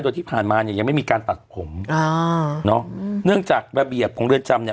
โดยที่ผ่านมาเนี่ยยังไม่มีการตัดผมอ่าเนอะเนื่องจากระเบียบของเรือนจำเนี่ย